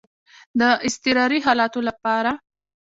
د اضطراري حالاتو لپاره.